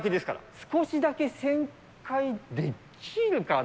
少しだけ旋回できるかな？